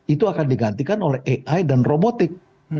itu akan digantikan oleh ai dan robotik